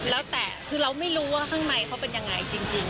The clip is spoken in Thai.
แล้วแต่คือเราไม่รู้ว่าข้างในเขาเป็นยังไงจริง